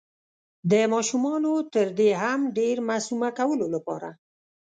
د ماشومانو تر دې هم ډير معصومه کولو لپاره